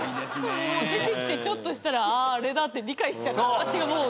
出てきてちょっとしたらあれだって理解しちゃった私がヤダ。